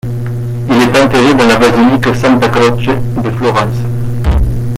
Il est enterré dans la basilique Santa Croce de Florence.